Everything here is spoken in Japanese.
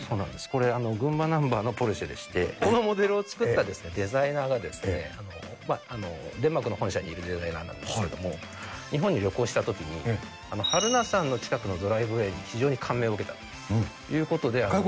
これ、群馬ナンバーのポルシェでして、このモデルを作ったデザイナーが、デンマークの本社にいるデザイナーなんですけれども、日本に旅行したときに、榛名山の近くのドライブウェイに非常に感銘を受けたということで。